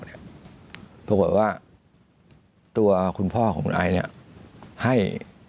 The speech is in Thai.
ถูกหัวว่าตัวคุณพ่อของคุณไอ้ให้